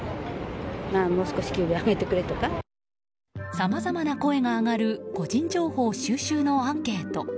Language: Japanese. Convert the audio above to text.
さまざまな声が上がる個人情報収集のアンケート。